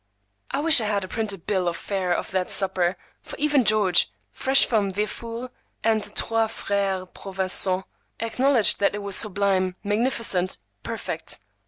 I wish I had a printed bill of fare of that supper, for even George, fresh from Véfour's and the Trois Frères Provençaux, acknowledged that it was sublime, magnificent, perfect.